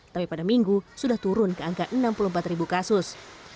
tapi pada minggu sudah turun ke angka enam puluh empat ribu kasus